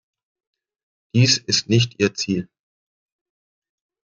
Dies ist nicht ihr Ziel.